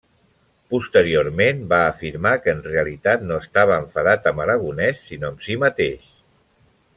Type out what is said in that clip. Posteriorment va afirmar que en realitat no estava enfadat amb Aragonés, sinó amb si mateix.